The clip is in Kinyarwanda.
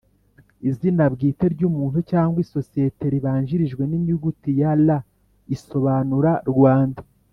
Izina bwite ry umuntu cyangwa isosiyeti ribanjirijwe n inyuguti ya R isobanura Rwanda